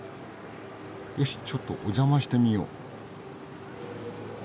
よしちょっとお邪魔してみよう。